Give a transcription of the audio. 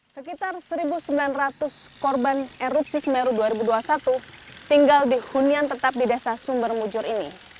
sekitar satu sembilan ratus korban erupsi semeru dua ribu dua puluh satu tinggal di hunian tetap di desa sumber mujur ini